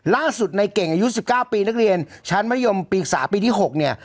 ล่าสุดในเก่งอายุสิบก้าวปีนักเรียนชั้นประธิโยมปีสาปีที่หกเนี่ย